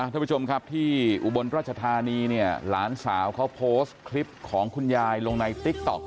ท่านผู้ชมครับที่อุบลราชธานีเนี่ยหลานสาวเขาโพสต์คลิปของคุณยายลงในติ๊กต๊อก